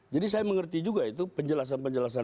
jadi saya mengerti juga itu penjelasan penjelasan